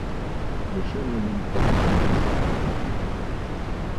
Решение будет получено в несколько этапов.